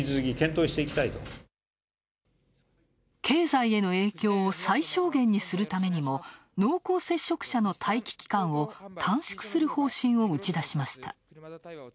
経済への影響を最小限にするためにも濃厚接触者の待機期間を、短縮する方針を打ち出しました。